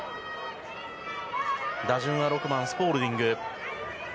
打順は６番、スポールディング。